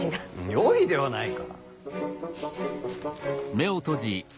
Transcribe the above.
よいではないか！